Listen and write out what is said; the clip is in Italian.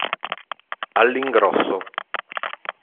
All'ingrosso.